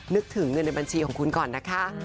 นึกถึงเงินในบัญชีของคุณก่อนนะคะ